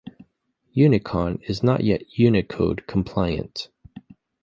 Unicon is not yet Unicode-compliant.